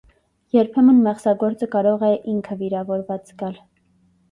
Երբեմն մեղսագործը կարող է ինքը վիրավորված զգալ։